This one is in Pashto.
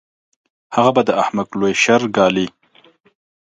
هغه به د احمق لوی شر ګالي.